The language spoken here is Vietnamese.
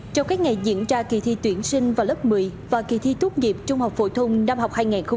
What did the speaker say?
trong các ngày diễn ra kỳ thi tuyển sinh vào lớp một mươi và kỳ thi tốt nghiệp trung học phổ thông năm học hai nghìn hai mươi ba